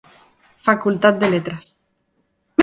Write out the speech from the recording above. Facultad de Letras.